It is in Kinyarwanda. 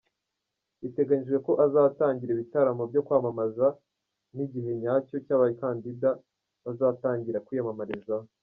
Biteganyijwe ko azatangira ibitaramo byo kwamamaza n’igihe nyacyo cy’abakandida bazatangira kwiyamamarizaho.